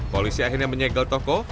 polisi akhirnya menyegel toko